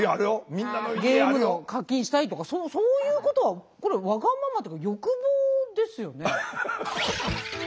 ゲームの課金したいとかそういうことはこれわがままっていうか欲望ですよね。